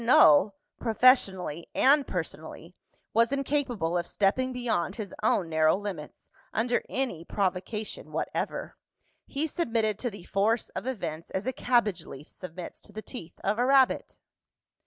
Null, professionally and personally, was incapable of stepping beyond his own narrow limits, under any provocation whatever. He submitted to the force of events as a cabbage leaf submits to the teeth of a rabbit.